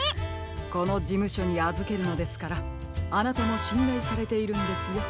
このじむしょにあずけるのですからあなたもしんらいされているんですよブラウン。